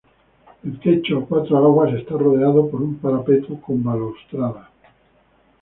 El techo a cuatro aguas está rodeado por un parapeto con balaustrada.